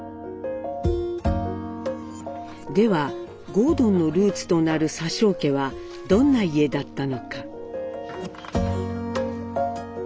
では郷敦のルーツとなる佐生家はどんな家だったのか。